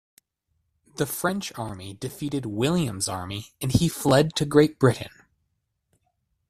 The French army defeated William's army and he fled to Great Britain.